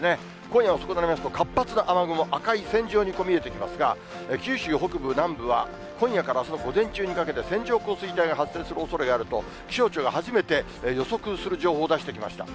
今夜遅くになりますと、活発な雨雲、赤い線状に見えてきますが、九州北部、南部は今夜からあすの午前中にかけて、線状降水帯が発生するおそれがあると、気象庁が初めて、予測する情報を出してきました。